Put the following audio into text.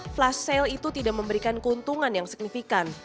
flash sale itu tidak memberikan keuntungan yang signifikan